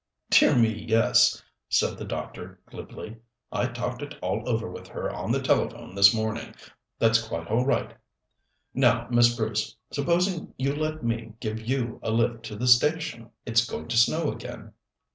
"Dear me, yes," said the doctor glibly. "I talked it all over with her on the telephone this morning. That's quite all right. Now, Miss Bruce, supposing you let me give you a lift to the station? It's going to snow again."